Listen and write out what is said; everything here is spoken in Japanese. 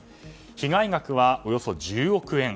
被害額はおよそ１０億円。